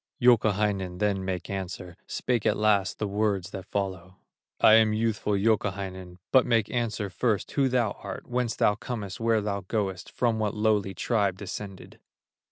Youkahainen then make answer, Spake at last the words that follow: "I am youthful Youkahainen, But make answer first, who thou art, Whence thou comest, where thou goest, From what lowly tribe descended?"